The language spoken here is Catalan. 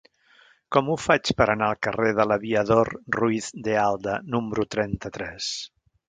Com ho faig per anar al carrer de l'Aviador Ruiz de Alda número trenta-tres?